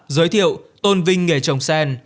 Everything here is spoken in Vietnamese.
giới thiệu tôn vinh nghề trồng sen